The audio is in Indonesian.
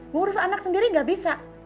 ngurus anak sendiri gak bisa